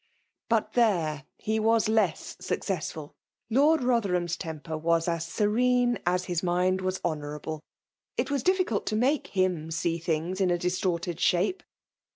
Bui there he was less successful ! Lord Ho* therham*s temper was as serene as his mind was honourable. It was difficult to make him see things in 'a distorted shape.